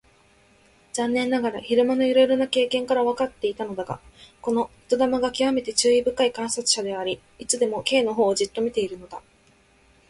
残念ながら昼間のいろいろな経験からわかっていたのだが、この糸玉がきわめて注意深い観察者であり、いつでも Ｋ のほうをじっと見ているのだ。